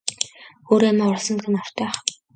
Өөрөө амиа хорлосон гэдэг нь ортой байх.